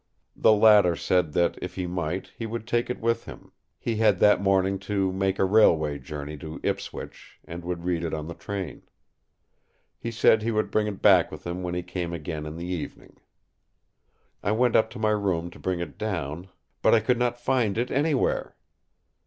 The latter said that, if he might, he would take it with him; he had that morning to make a railway journey to Ipswich, and would read it on the train. He said he would bring it back with him when he came again in the evening. I went up to my room to bring it down; but I could not find it anywhere.